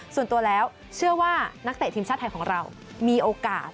ส่วนตัวแล้วเชื่อว่านักเตะทีมชาติไทยของเรามีโอกาส